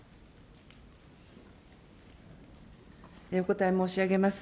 お答え申し上げます。